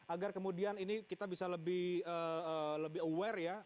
agar kemudian ini kita bisa lebih aware ya